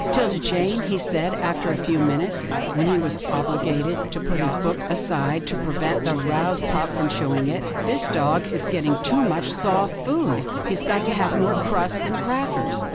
" 'Tilda Jane," he said, after a few minutes, when he was obliged to put his book aside to prevent the aroused pup from chewing it. " This dog is getting too much soft food. He's got to have more crusts and crackers."